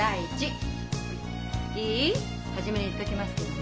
初めに言っときますけどね